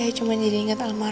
ada yang salah